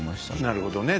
なるほどね。